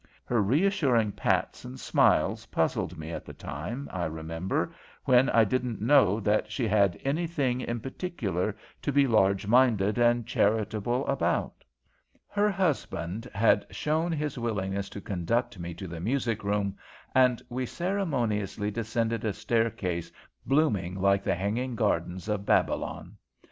Her reassuring pats and smiles puzzled me at the time, I remember, when I didn't know that she had anything in particular to be large minded and charitable about. Her husband made known his willingness to conduct me to the music room, and we ceremoniously descended a staircase blooming like the hanging gardens of Babylon.